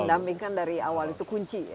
pendampingan dari awal itu kunci